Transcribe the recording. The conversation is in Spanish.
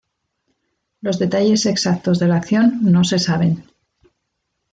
Los detalles exactos de la acción no se saben.